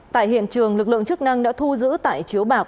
tại hiện trường lực lượng chức năng đã thu giữ tải chiếu bạc